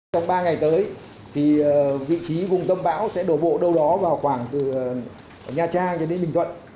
trong ba ngày tới vị trí vùng tâm bão sẽ đổ bộ đâu đó vào khoảng từ nha trang đến bình thuận